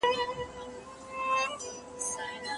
سرلوړي د هغو خلکو نصیب ده چي جنګېدی.